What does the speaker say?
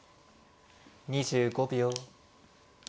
２５秒。